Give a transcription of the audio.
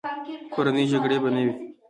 کورنۍ جګړې به نه وې.